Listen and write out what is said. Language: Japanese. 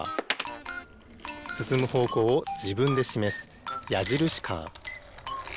すすむほうこうをじぶんでしめすやじるしカー。